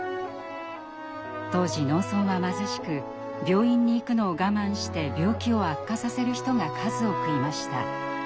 当時農村は貧しく病院に行くのを我慢して病気を悪化させる人が数多くいました。